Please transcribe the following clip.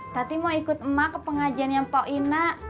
tati mau ikut emak ke pengajian yang pak ina